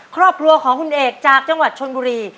ครอบครัวของคุณเอกจากจังหวัดชนบุรี